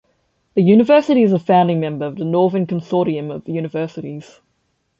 The university is a founding member of the Northern Consortium of universities.